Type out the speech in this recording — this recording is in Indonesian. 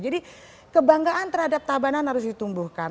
jadi kebanggaan terhadap tabanan harus ditumbuhkan